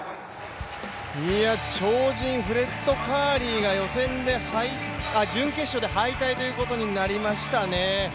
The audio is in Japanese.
超人・フレッド・カーリーが準決勝で敗退ということになりましたね。